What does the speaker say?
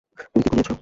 তুমি কি ঘুমিয়েছ?